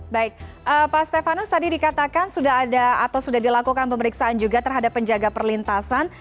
baik pak stefanus tadi dikatakan sudah ada atau sudah dilakukan pemeriksaan juga terhadap penjaga perlintasan